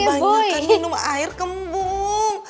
aduh tapi kebanyakan minum air kembung